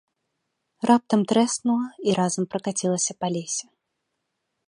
Раптам трэснула і разам пракацілася па лесе.